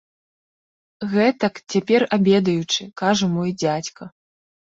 Гэтак, цяпер абедаючы, кажа мой дзядзька.